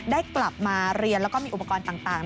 ได้กลับมาเรียนแล้วก็มีอุปกรณ์ต่าง